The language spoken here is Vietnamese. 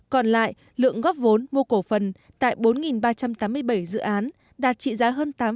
còn lại lượng góp vốn mua cổ phần tại bốn ba trăm tám mươi bảy dự án đạt trị giá hơn tám năm mươi hai tỷ usd